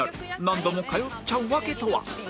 何度も通っちゃう訳とは？